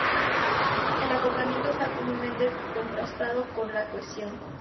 El acoplamiento está comúnmente contrastado con la cohesión.